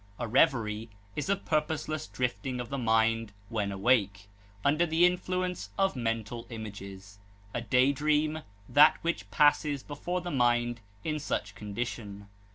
A reverie is a purposeless drifting of the mind when awake, under the influence of mental images; a day dream that which passes before the mind in such condition.